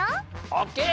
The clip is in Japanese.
オッケー！